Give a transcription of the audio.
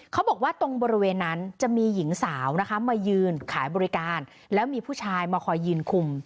เขาบอกว่าตรงบริเวณนั้นจะมีหญิงสาวนะคะมายืนขายบริการแล้วมีผู้ชายมาคอยยืนคุม